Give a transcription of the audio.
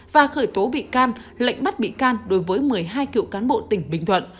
và khởi tố bị can lệnh bắt bị can đối với một mươi hai cựu cán bộ tỉnh bình thuận